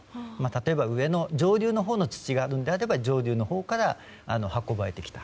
例えば上流のほうの土であれば上流のほうから運ばれてきた。